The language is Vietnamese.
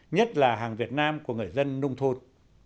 nhất là hàng việt nam của người dân nông thôn